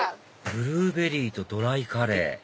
ブルーベリーとドライカレー